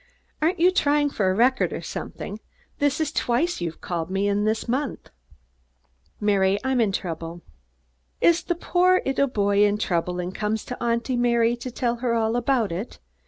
"Aren't you trying for a record or something? This is twice you've called on me this month." "Mary, I'm in trouble." "Is the poor 'ittle boy in trouble and come to Auntie Mary to tell her all about it?"